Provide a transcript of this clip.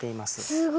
すごい！